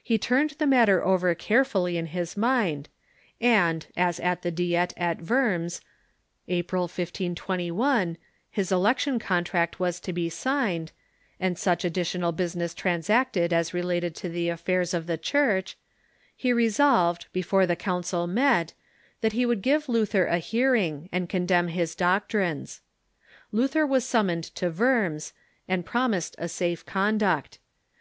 He turned the matter over carefully in his mind, and, as at the Diet at Worms, April, 1521, his election contract was to be signed, and such additional business transacted as related to the affairs of the Church, he resolved, before the Council met, that he would give Luther a hearing, and condemn his doctrines. Luther was summoned to Worms, and promised a safe conduct.